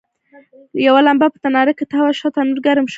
یوه لمبه په تناره کې تاوه شوه، تنور ګرم شو.